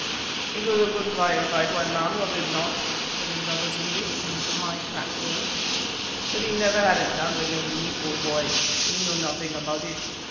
"It was a good fire fight, white man, was it not?" said Indaba zimbi, in his high, cracked voice. "But he never had a chance against me, poor boy. He knew nothing about it.